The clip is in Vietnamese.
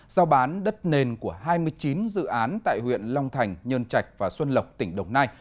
giao bán đất nền của hai mươi chín dự án tại huyện long thành nhơn trạch và xuân lộc tỉnh đồng nai